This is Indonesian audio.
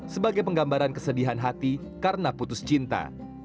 sebagai penggambaran kesedihan hati karena putus cinta